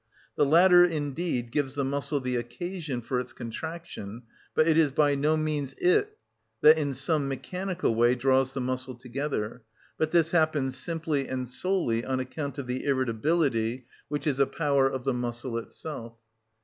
The latter indeed gives the muscle the occasion for its contraction, but it is by no means it that, in some mechanical way, draws the muscle together; but this happens simply and solely on account of the irritability, which is a power of the muscle itself.